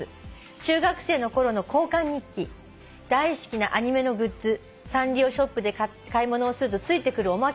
「中学生の頃の交換日記大好きなアニメのグッズ」「サンリオショップで買い物をするとついてくるおまけ」